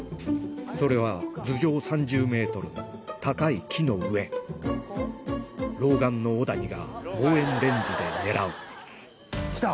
それは頭上３０ｍ高い木の上老眼の小谷が望遠レンズで狙うきた？